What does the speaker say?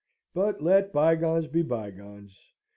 But let bygones be bygones.